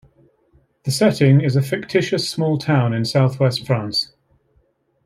The setting is a fictitious small town in southwest France.